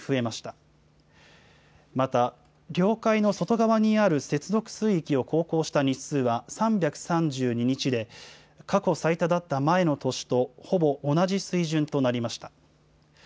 また、領海の外側にある接続水域を航行した日数は３３２日で、過去最多だった前の年とほぼ同じ水準となりました。